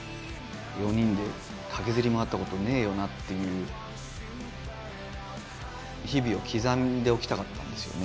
４人で駆けずり回ったことねえよなっていう日々を刻んでおきたかったんですよね。